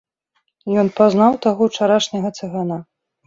Ён пазнаў таго ўчарашняга цыгана.